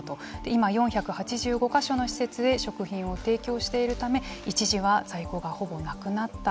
今４８５か所の施設へ食品を提供しているため一時在庫がほぼなくなった。